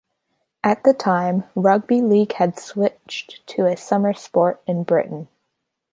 At the time rugby league had switched to a summer sport in Britain.